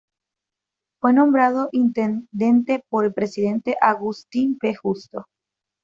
Fue nombrado intendente por el presidente Agustín P. Justo.